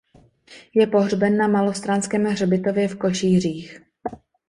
Je pohřben na Malostranském hřbitově v Košířích.